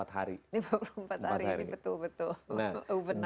lima puluh empat hari ini betul betul open